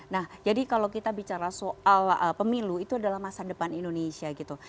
nah jadi kalau kita bicara soal pemilu itu adalah masa depan indonesia gitu